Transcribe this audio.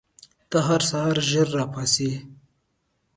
ته هر سهار ژر راپاڅې؟